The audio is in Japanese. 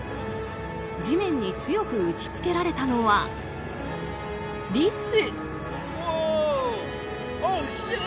地面に強く打ちつけられたのはリス。